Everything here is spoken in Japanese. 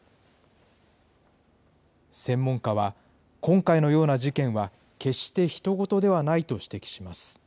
専門家は、今回のような事件は決して他人事ではないと指摘します。